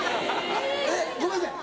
えっごめんなさい